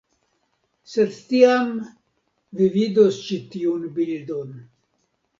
Sed tiam, vi vidos ĉi tiun bildon.